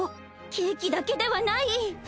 ケーキだけではない！